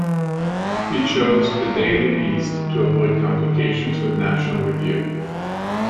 He chose "The Daily Beast" to avoid complications with "National Review".